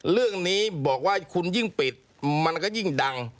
เรื่องนี้บอกว่าคุณยิ่งปิดมันก็ยิ่งดัง